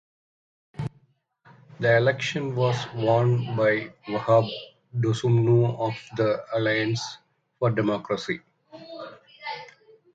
The election was won by Wahab Dosunmu of the Alliance for Democracy.